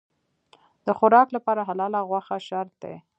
د خوراک لپاره حلاله غوښه شرط دی.